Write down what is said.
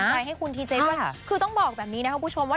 ในเข้าคุณทีเจที่ว่า